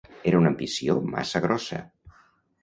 Era una ambició massa grossa